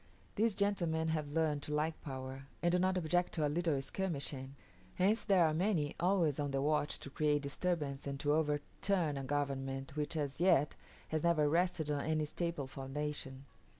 These gentlemen have learned to like power, and do not object to a little skirmishing. Hence there are many always on the watch to create disturbance and to overturn a government which as yet has never rested on any staple foundation.